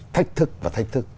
thách thức và thách thức